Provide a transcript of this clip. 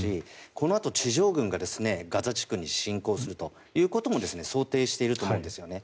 このあと地上軍がガザ地区に侵攻するということも想定していると思うんです。